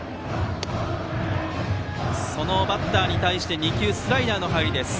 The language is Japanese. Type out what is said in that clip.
そのバッターに対して２球スライダーの入り。